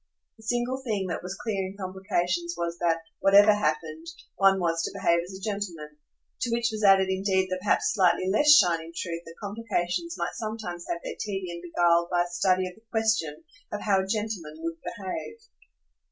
The single thing that was clear in complications was that, whatever happened, one was to behave as a gentleman to which was added indeed the perhaps slightly less shining truth that complications might sometimes have their tedium beguiled by a study of the question of how a gentleman would behave.